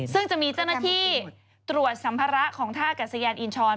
ซึ่งจะมีเจ้าหน้าที่ตรวจสัมภาระของท่ากัศยานอินชร